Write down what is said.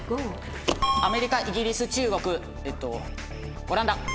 ５アメリカイギリス中国オランダ！